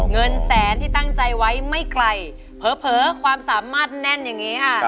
เงินแสนที่ตั้งใจไว้ไม่ไกลเผลอความสามารถแน่นอย่างนี้ค่ะ